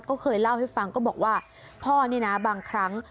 ก็เคยเล่าให้ฟังก็บอกว่าพ่อนี่นะบางครั้ง